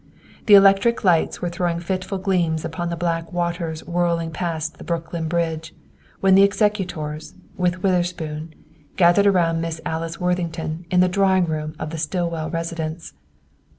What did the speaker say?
The electric lights were throwing fitful gleams upon the black waters whirling past the Brooklyn Bridge, when the executors, with Witherspoon, gathered around Miss Alice Worthington in the drawing room of the Stillwell residence.